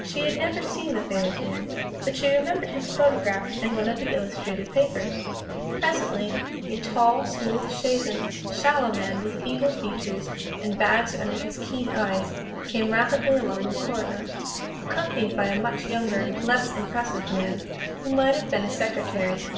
She had never seen the famous man, but she remembered his photograph in one of the illustrated papers. Presently a tall, smooth shaven, sallow man, with eagle features and bags under his keen eyes, came rapidly along the corridor, accompanied by a much younger, less impressive man, who might have been a secretary.